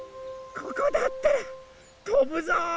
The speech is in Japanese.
ここだったらとぶぞ！